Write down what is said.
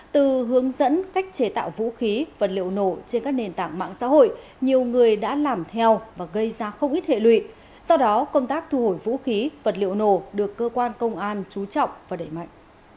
từ hướng dẫn cách chế tạo vũ khí vật liệu nổ trên các nền tảng mạng xã hội nhiều người đã làm theo và gây ra không ít hệ lụy do đó công tác thu hồi vũ khí vật liệu nổ được cơ quan công an trú trọng và đẩy mạnh